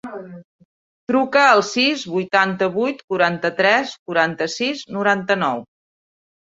Truca al sis, vuitanta-vuit, quaranta-tres, quaranta-sis, noranta-nou.